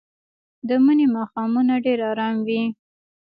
د مني ماښامونه ډېر ارام وي